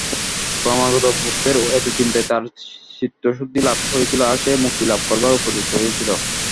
ক্রমাগত বুদ্ধের এত চিন্তায় তার চিত্তশুদ্ধি-লাভ হয়েছিল, আর সে মুক্তিলাভ করবার উপযুক্ত হয়েছিল।